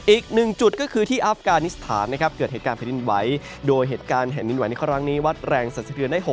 อีกหนึ่งจุดก็คือที่อัฟกานิสถานนะครับเกิดเหตุการณ์แผ่นดินไหวโดยเหตุการณ์แผ่นดินไหวในครั้งนี้วัดแรงสันสะเทือนได้๖